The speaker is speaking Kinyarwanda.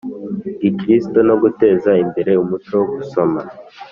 gikristo no guteza imbere umuco wo gusoma